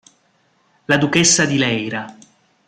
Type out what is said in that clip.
La duchessa di Leyra.